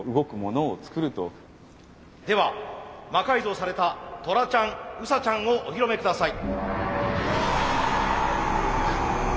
では魔改造されたトラちゃんウサちゃんをお披露目下さい。